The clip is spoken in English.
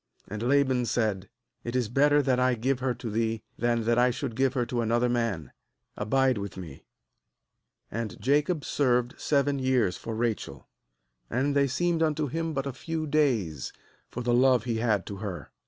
19And Laban said: 'It is better that I give her to thee, than that I should give her to another man; abide with me.' 20And Jacob served seven years for Rachel; and they seemed unto him but a few days, for the love he had to her.